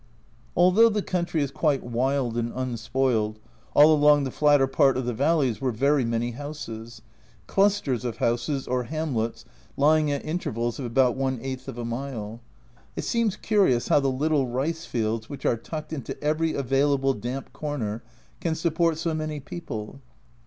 Although the country is quite wild and unspoiled, all along the flatter part of the valleys were very many houses clusters of houses or hamlets lying at intervals of about one eighth of a mile. It seems curious how the little rice fields, which are tucked into every available damp corner, can support so many people.